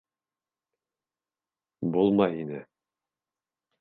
Булмай ине.